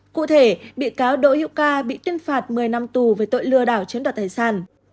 cụ thể bị cáo đỗ hữu ca bị tuyên phạt một mươi năm tù về tội lừa đảo chiếm đoạt tài sản